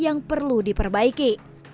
yang perlu diperbaiki